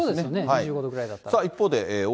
２５度ぐらいだったら。